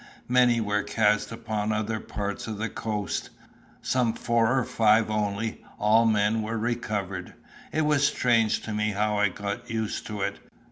Many were cast upon other parts of the coast. Some four or five only, all men, were recovered. It was strange to me how I got used to it.